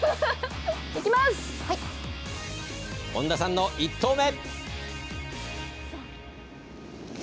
本田さんの１投目。